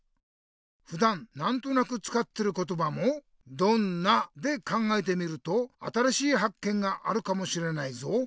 ふだんなんとなくつかってることばも「どんな？」で考えてみると新しいはっけんがあるかもしれないぞ。